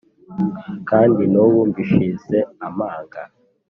Kandi n' ubu mbishize amanga,